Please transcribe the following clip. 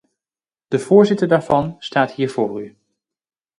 De voorzitter daarvan staat hier voor u.